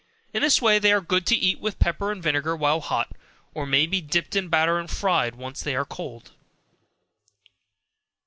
In this way they are good to eat with pepper and vinegar while hot, or may be dipped in batter and fried after they are cold.